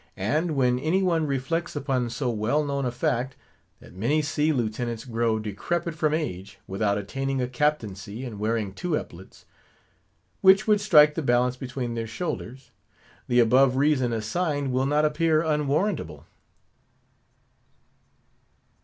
And when any one reflects upon so well known a fact, that many sea Lieutenants grow decrepit from age, without attaining a Captaincy and wearing two epaulets, which would strike the balance between their shoulders, the above reason assigned will not appear unwarrantable.